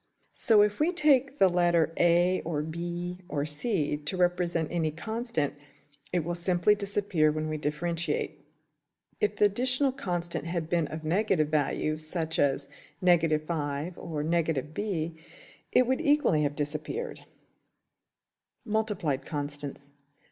So if we take the letter~$a$, or~$b$, or~$c$ to represent any constant, it will simply disappear when we differentiate. If the additional constant had been of negative value, such as $ 5$~or~$ b$, it would equally have disappeared. \Subsection{Multiplied Constants.